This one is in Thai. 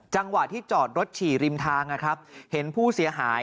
จังหวะที่จอดรถฉี่ริมทางนะครับเห็นผู้เสียหาย